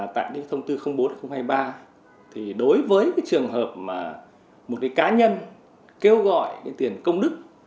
trường hợp một cá nhân kêu gọi tiền công đức